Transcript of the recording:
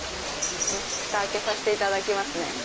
ふた開けさせていただきますね。